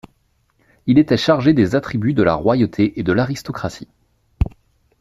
Il était chargé des attributs de la royauté et de l'aristocratie.